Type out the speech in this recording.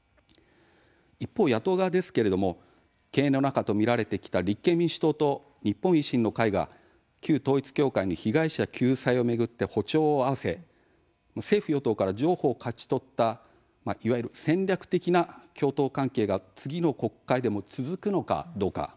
一方、野党側ですけれども犬猿の仲と見られてきた立憲民主党と日本維新の会が旧統一教会の被害者救済を巡って歩調を合わせ政府与党から譲歩を勝ち取ったいわゆる戦略的な共闘関係が次の国会でも続くのかどうか。